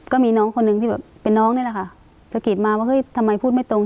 ก็มีน้องคนนึงที่แบบเป็นน้องนี่แหละค่ะสะกิดมาว่าเฮ้ยทำไมพูดไม่ตรง